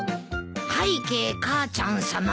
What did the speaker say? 「拝啓母ちゃんさま